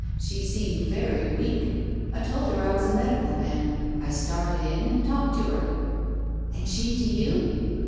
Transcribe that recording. She seemed very weak. I told her I was a medical man, I started in and talked* to her." "And she to you?"